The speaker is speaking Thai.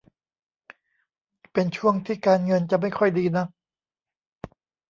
เป็นช่วงที่การเงินจะไม่ค่อยดีนัก